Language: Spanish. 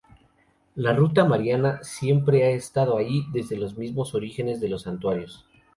La Ruta Mariana siempre ha estado ahí desde los mismos orígenes de los santuarios.